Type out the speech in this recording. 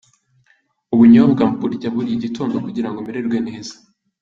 Ubunyobwa mburya buri gitondo kugira ngo mererwe neza.